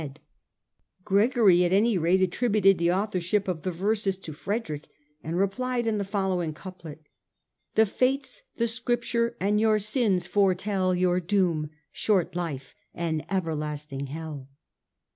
THE SECOND EXCOMMUNICATION 171 Gregory, at any rate, attributed the authorship of the verses to Frederick, and replied in the following coup let :" The fates, the Scripture, and your sins foretell Your doom; short life and everlasting hell."